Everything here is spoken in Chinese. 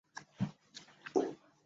土牛膝为苋科牛膝属的植物。